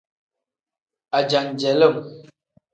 Ajenjelim.